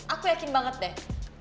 aku yakin banget deh